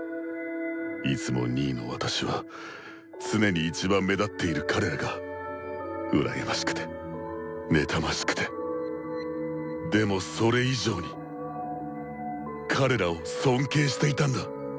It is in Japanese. いつも２位の私は常に一番目立っている彼らが羨ましくて妬ましくてでもそれ以上に彼らを尊敬していたんだ。